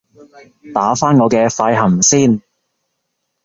打返我嘅快含先